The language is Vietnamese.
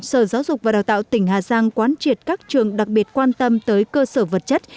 sở giáo dục và đào tạo tỉnh hà giang quán triệt các trường đặc biệt quan tâm tới cơ sở vật chất